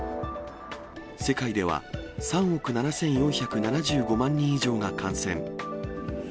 世界では３億７４７５万人以上が感染。